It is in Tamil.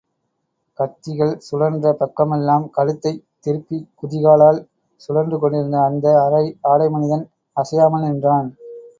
கத்திகள் சுழன்ற பக்கமெல்லாம் கழுத்தைத் திருப்பிக் குதிகாலால் சுழன்றுகொண்டிருந்த அந்த அரை ஆடை மனிதன், அசையாமல் நின்றான்.